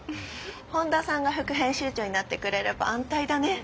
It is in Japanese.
本田さんが副編集長になってくれれば安泰だね。